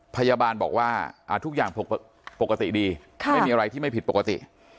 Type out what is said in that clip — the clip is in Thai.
พยาบาลบอกว่าทุกอย่างปกติดีไม่มีอะไรที่ไม่ผิดปกติ